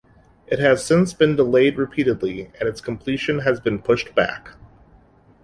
It has since been delayed repeatedly and its completion has been pushed back.